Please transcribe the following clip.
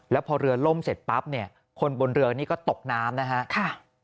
แล้วพอเรือล่มเสร็จปั๊บเนี่ยคนบนเรือนี่ก็ตกน้ำนะฮะ